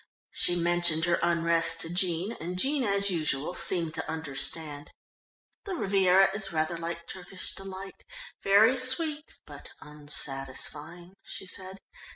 She mentioned her unrest to Jean, and Jean as usual seemed to understand. "The Riviera is rather like Turkish Delight very sweet, but unsatisfying," she said.